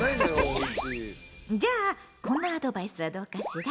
じゃあこんなアドバイスはどうかしら？